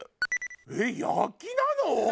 えっ「焼き」なの？